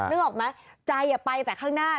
นึกออกไหมใจไปแต่ข้างหน้า